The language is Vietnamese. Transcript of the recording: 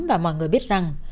và mọi người biết rằng